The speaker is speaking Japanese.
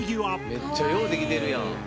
めっちゃよう出来てるやん。